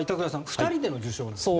２人での受賞なんですね。